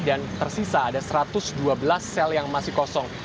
dan tersisa ada satu ratus dua belas sel yang masih kosong